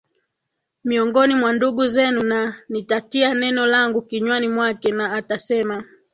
miongoni mwa ndugu zenu na nitatia neno langu kinywani mwake na atasema